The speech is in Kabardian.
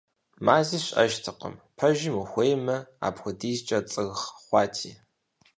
Мэзи щыӀэжтэкъым, пэжым ухуеймэ, апхуэдизкӀэ цӀырхъ хъуати.